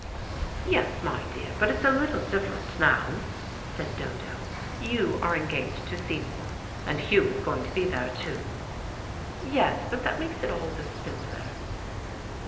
"Yes, my dear, but it's a little different now," said Dodo. "You are engaged to Seymour, and Hugh is going to be there, too." "Yes, but that makes it all the simpler."